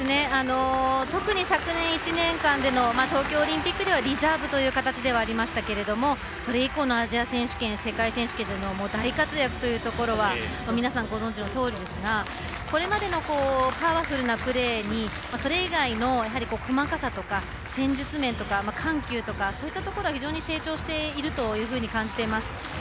特に昨年１年間での東京オリンピックではリザーブという形ではありましたけどそれ以降のアジア選手権、世界選手権でも大活躍というところは皆さんご存じのとおりですがこれまでのパワフルなプレーにそれ以外の細かさとか戦術面とか緩急とかそういったところは非常に成長しているというふうに感じています。